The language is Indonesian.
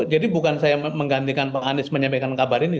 jadi bukan saya menggantikan pak anies menyampaikan kabar ini